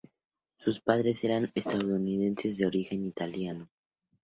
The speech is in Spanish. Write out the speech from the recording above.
Sus padres eran estadounidenses de origen italiano.